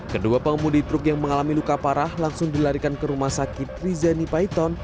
kedua pengemudi truk yang mengalami luka parah langsung dilarikan ke rumah sakit rizani paiton